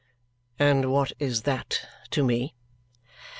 "And what is THAT to me?"